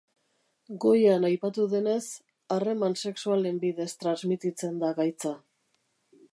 Goian aipatu denez harreman sexualen bidez transmititzen da gaitza.